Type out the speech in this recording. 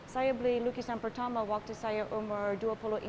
saya beli lukisan pertama waktu saya umur dua puluh ini